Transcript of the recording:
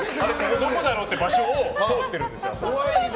どこだろうっていう場所を通っているんですよ。